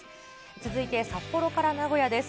続いて札幌から名古屋です。